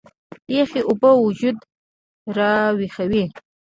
يخې اوبۀ وجود راوېخوي